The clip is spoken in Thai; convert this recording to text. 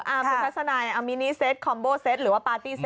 คุณทัศนัยอามินิเซตคอมโบเซตหรือว่าปาร์ตี้เซ็